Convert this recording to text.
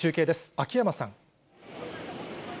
秋山さん。